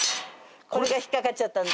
これが引っ掛かっちゃったんだ。